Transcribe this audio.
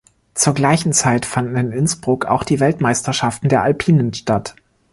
Zur gleichen Zeit fanden in Innsbruck auch die Weltmeisterschaften der Alpinen statt.